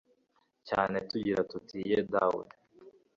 cyane tugira tuti ye dawe